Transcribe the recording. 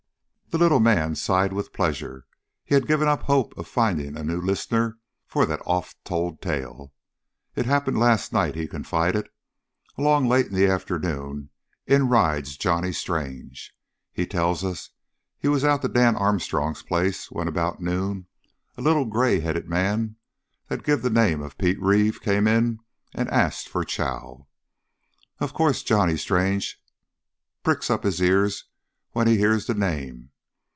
The little man sighed with pleasure; he had given up hope of finding a new listener for that oft told tale. "It happened last night," he confided. "Along late in the afternoon in rides Johnny Strange. He tells us he was out to Dan Armstrong's place when, about noon, a little gray headed man that give the name of Pete Reeve came in and asked for chow. Of course Johnny Strange pricks up his ears when he hears the name.